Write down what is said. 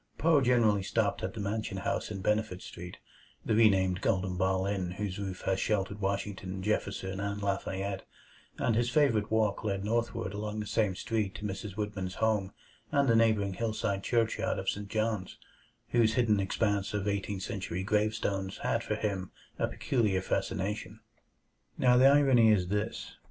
Poe generally stopped at the Mansion House in Benefit Street the renamed Golden Ball Inn whose roof has sheltered Washington, Jefferson, and Lafayette and his favorite walk led northward along the same street to Mrs. Whitman's home and the neighboring hillside churchyard of St. John's, whose hidden expanse of Eighteenth Century gravestones had for him a peculiar fascination. Now the irony is this.